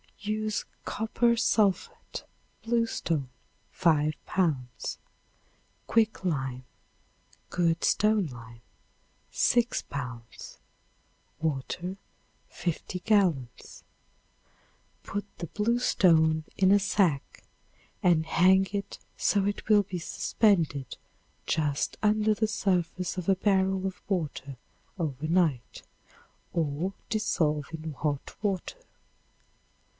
Use copper sulphate (bluestone) 5 pounds; quick lime (good stone lime), 6 pounds; water, 50 gallons. Put the bluestone in a sack and hang it so it will be suspended just under the surface of a barrel of water over night, or dissolve in hot water.